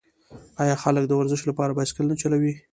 آیا خلک د ورزش لپاره بایسکل نه چلوي؟